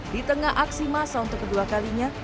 di tengah aksi masa untuk kedua kalinya